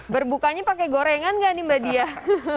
berbukanya pakai gorengan nggak nih mbak diah